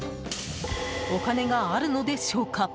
お金があるのでしょうか？